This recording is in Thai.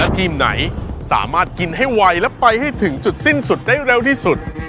ทีมไหนสามารถกินให้ไวและไปให้ถึงจุดสิ้นสุดได้เร็วที่สุด